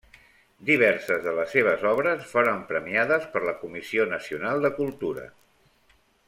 Diverses de les seves obres foren premiades per la Comissió Nacional de Cultura.